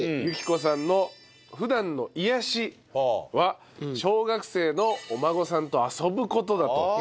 ゆき子さんの普段の癒やしは小学生のお孫さんと遊ぶ事だと。